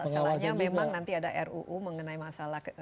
selain itu memang nanti ada ruu mengenai masalah